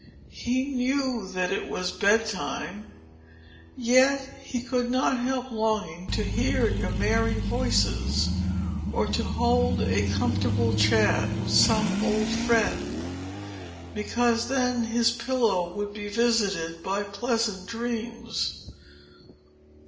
He knew that it was bedtime; yet he could not help longing to hear your merry voices, or to hold a comfortable chat with some old friend; because then his pillow would be visited by pleasant dreams.